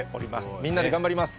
みんなで頑張ります。